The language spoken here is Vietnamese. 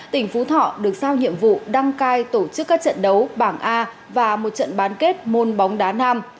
tỉnh phú thọ được sao nhiệm vụ đăng cai tổ chức các trận đấu bảng a và một trận bán kết môn bóng đá nam